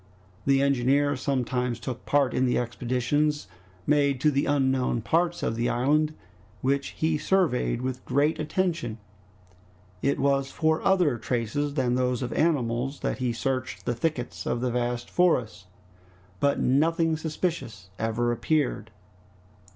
The engineer sometimes took part in the expeditions made to the unknown parts of the island, which he surveyed with great attention. It was for other traces than those of animals that he searched the thickets of the vast forest, but nothing suspicious ever appeared.